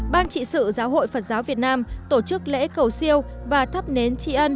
ban trị sự giáo hội phật giáo việt nam tổ chức lễ cầu siêu và thắp nến tri ân